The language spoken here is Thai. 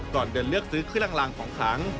ก่อนเดินเลือกซื้อขึ้นล่างของขัง